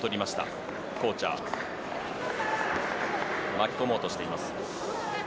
巻き込もうとしています。